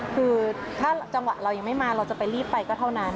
คือถ้าจังหวะเรายังไม่มาเราจะไปรีบไปก็เท่านั้น